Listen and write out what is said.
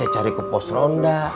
saya cari ke posis ronda